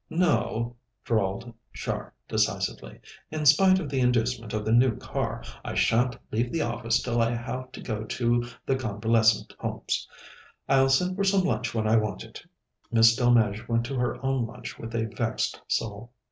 "No," drawled Char decisively; "in spite of the inducement of the new car, I shan't leave the office till I have to go to the Convalescent Homes. I'll send for some lunch when I want it." Miss Delmege went to her own lunch with a vexed soul.